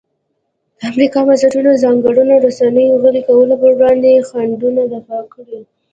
د امریکا بنسټونو ځانګړنو رسنیو غلي کولو پر وړاندې خنډونه دفع کړي.